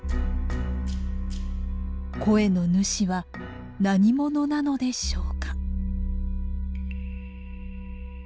声の主は何者なのでしょうか？